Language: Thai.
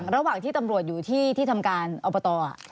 ระหว่างที่ตำรวจอยู่ที่ที่ทำการอบต